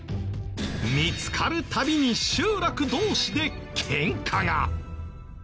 見つかるたびに集落同士でケンカが。